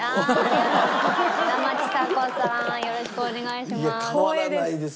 よろしくお願いします。